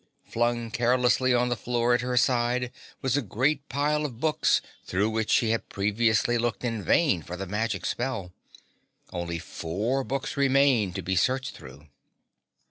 Flung carelessly on the floor at her side was a great pile of books through which she had previously looked in vain for the magic spell. Only four books remained to be searched through.